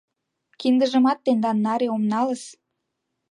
Киндыжымат тендан наре ом налыс.